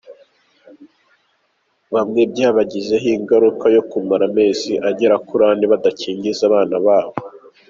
Bamwe byabagizeho ingaruka yo kumara amezi agera kuri ane badakingiza abana babo.